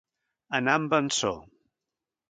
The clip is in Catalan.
Anar en vençó.